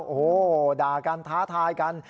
โอ้โหด่ากันท้าทายกัน